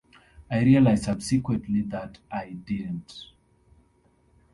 I realised subsequently that I didn't.